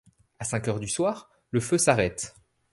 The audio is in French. À cinq heures du soir, le feu s'arrête.